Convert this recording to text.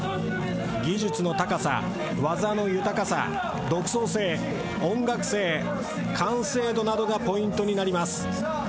技術の高さ技の豊かさ独創性音楽性完成度などがポイントになります。